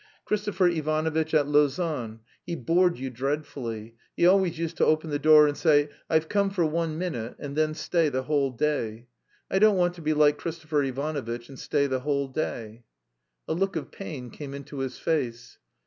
"Christopher Ivanovitch at Lausanne? He bored you dreadfully. He always used to open the door and say, 'I've come for one minute,' and then stay the whole day. I don't want to be like Christopher Ivanovitch and stay the whole day." A look of pain came into his face.